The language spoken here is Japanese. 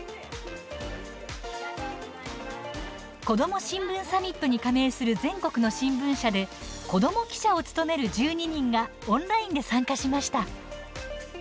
「こども新聞サミット」に加盟する全国の新聞社でこども記者を務める１２人がオンラインで参加しました。